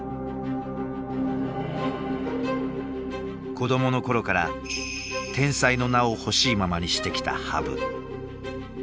子供の頃から「天才」の名をほしいままにしてきた羽生。